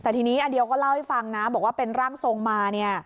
แต่ทีนี้อเดียก็เล่าให้ฟังนะบอกว่าเป็นร่างทรงมาเนี่ย